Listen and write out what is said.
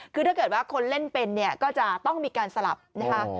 คือถ้าเกิดว่าคนเล่นเป็นเนี่ยก็จะต้องมีการสลับนะคะ